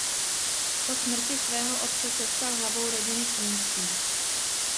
Po smrti svého otce se stal hlavou rodu Kinských.